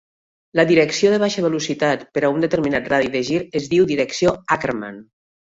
La direcció de baixa velocitat per a un determinat radi de gir es diu direcció Ackermann.